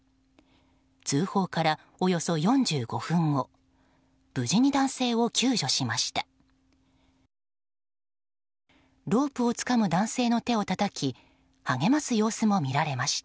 通報からおよそ４５分後無事に男性を救助しました。